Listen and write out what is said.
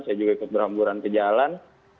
saya juga ikut berhamburan ke jalan